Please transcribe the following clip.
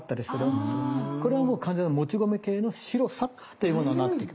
これはもう完全にもち米系の白さっていうものになってきます。